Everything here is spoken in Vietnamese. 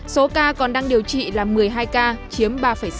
số ca còn đang điều trị là một mươi hai ca chiếm ba sáu